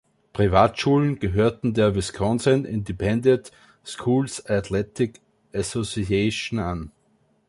Privatschulen gehörten der Wisconsin Independent Schools Athletic Association an.